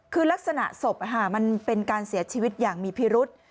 คือลักษณะศพมันเป็นการเสียชีวิตอย่างมีพิรุษ